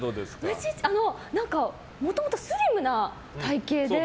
うち、もともとスリムな体形で。